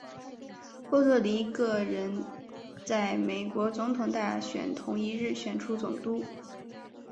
波多黎各人在美国总统大选同一日选出总督。